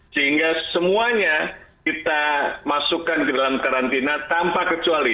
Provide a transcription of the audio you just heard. sehingga semuanya kita masukkan ke dalam karantina tanpa kecuali